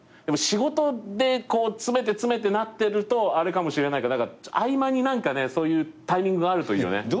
でも仕事で詰めて詰めてなってるとあれかもしれないから合間にそういうタイミングがあるといいよね。